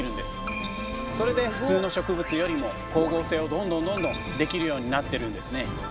それで普通の植物よりも光合成をどんどんどんどんできるようになってるんですね。